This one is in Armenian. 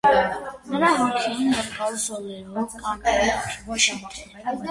նրա հագին երկար զոլերով կարմիր չիթ էր :